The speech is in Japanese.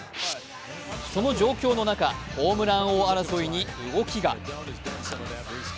その状況の中、ホームラン王争いに動きが。